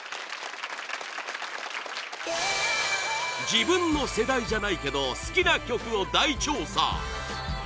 自分の世代じゃないけど好きな曲を大調査！